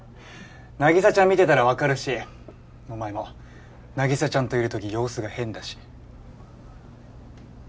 凪沙ちゃん見てたらわかるしお前も凪沙ちゃんといる時様子が変だし。